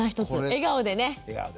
笑顔です。